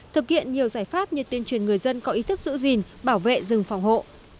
thực hiện nhiều giải pháp như tuyên truyền người dân có ý thức giữ gìn bảo vệ rừng phòng hộ